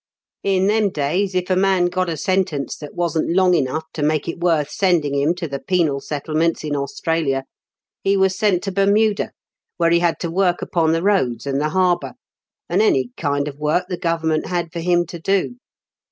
In them TEE GONVIGTS STOBY. 126 days, if a man got a sentence that wasn't long enough to make it worth sending him to the penal settlements in Australia, he was sent to Bermuda, where he had to work upon the roads and the harbour, and any kind of work the Government had for him to do.